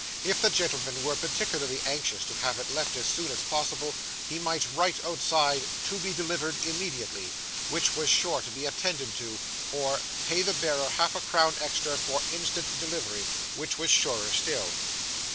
If the gentleman were particularly anxious to have it left as soon as possible, he might write outside, 'To be delivered immediately,' which was sure to be attended to; or 'Pay the bearer half a crown extra for instant delivery,' which was surer still.